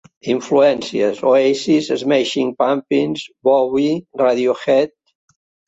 Influències: Oasis, Smashing Pumpins, Bowie, Radiohead.